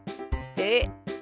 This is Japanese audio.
えっ？